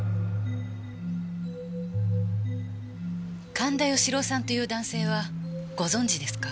神田芳郎さんという男性はご存じですか？